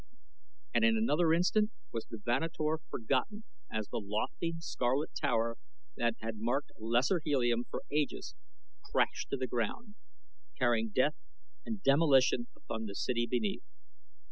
And in another instant was the Vanator forgotten as the lofty, scarlet tower that had marked Lesser Helium for ages crashed to ground, carrying death and demolition upon the city beneath.